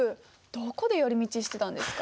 どこで寄り道してたんですか？